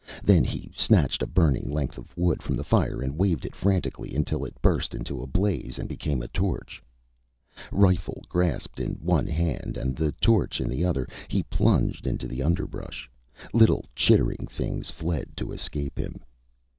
Then he snatched a burning length of wood from the fire and waved it frantically until it burst into a blaze and became a torch. Rifle grasped in one hand and the torch in the other, he plunged into the underbrush. Little chittering things fled to escape him.